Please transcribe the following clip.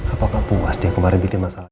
apa kamu puas dia kemarin bikin masalah